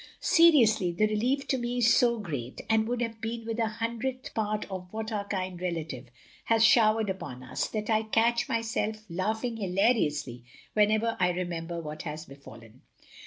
Seriously, the relief to me is so great — and would have been with a hundredth part of what our kind relative has showered upon us that I catch myself Lmghing hilariously whenever I remember what has befallen.